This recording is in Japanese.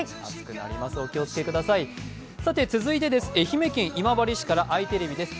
続いて、愛媛県今治市からあいテレビです。